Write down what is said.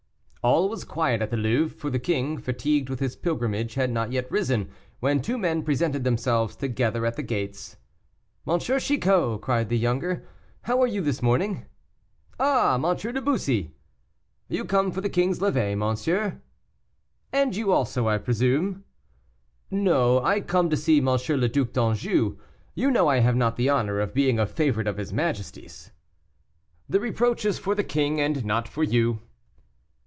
All was quiet at the Louvre, for the king, fatigued with his pilgrimage, had not yet risen, when two men presented themselves together at the gates. "M. Chicot," cried the younger, "how are you this morning?" "Ah, M. de Bussy." "You come for the king's levee, monsieur?" "And you also, I presume?" "No; I come to see M. le Duc d'Anjou. You know I have not the honor of being a favorite of his majesty's." "The reproach is for the king, and not for you."